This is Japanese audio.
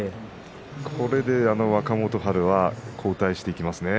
これで若元春が後退していきますね。